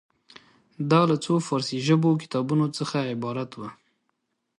دا له څو فارسي ژبې کتابونو څخه عبارت وه.